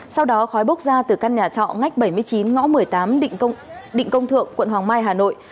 sau đó khói bốc ra từ căn nhà trọ ngách bảy mươi chín ngõ một mươi tám định công thượng quận hoàng mai hà nội